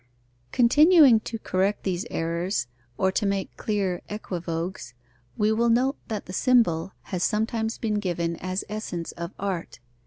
_ Continuing to correct these errors, or to make clear equivoques, we will note that the symbol has sometimes been given as essence of art.